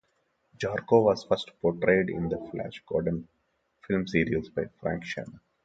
Zarkov was first portrayed in the "Flash Gordon" film serials by Frank Shannon.